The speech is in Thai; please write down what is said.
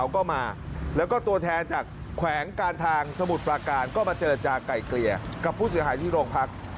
แขวงการทางสมุดปราการก็มาเจาราชาไก่เกลียกับผู้เสียหายที่โรงพักฯ